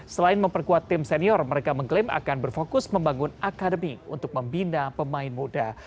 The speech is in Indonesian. selain memperkuat tim senior mereka mengklaim akan berfokus membangun akademi untuk membina pemain muda